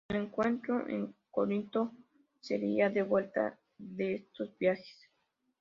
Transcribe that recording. El encuentro en Corinto sería de vuelta de estos viajes.